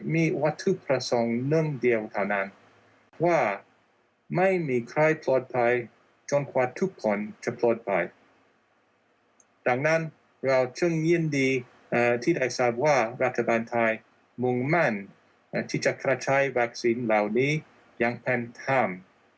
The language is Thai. มุ่งแม่นที่จะคลาใช้แวคซีนเหล่านี้อย่างเป็นธรรม